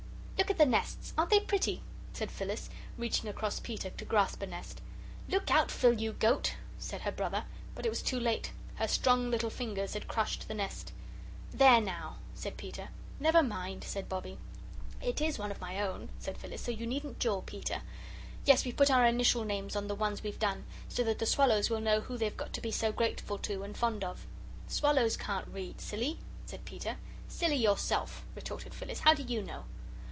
"Look at the nests aren't they pretty?" said Phyllis, reaching across Peter to grasp a nest. "Look out, Phil, you goat," said her brother. But it was too late; her strong little fingers had crushed the nest. "There now," said Peter. "Never mind," said Bobbie. "It IS one of my own," said Phyllis, "so you needn't jaw, Peter. Yes, we've put our initial names on the ones we've done, so that the swallows will know who they've got to be so grateful to and fond of." "Swallows can't read, silly," said Peter. "Silly yourself," retorted Phyllis; "how do you know?"